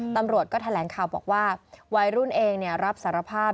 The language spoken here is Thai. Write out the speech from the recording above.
ตำรวจก็แถลงข่าวบอกว่าวัยรุ่นเองรับสารภาพ